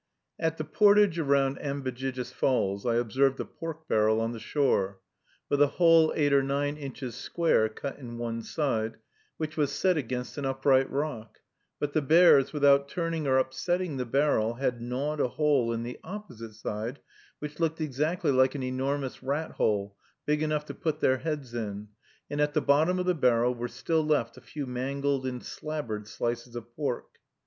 At the portage around Ambejijis Falls I observed a pork barrel on the shore, with a hole eight or nine inches square cut in one side, which was set against an upright rock; but the bears, without turning or upsetting the barrel, had gnawed a hole in the opposite side, which looked exactly like an enormous rat hole, big enough to put their heads in; and at the bottom of the barrel were still left a few mangled and slabbered slices of pork.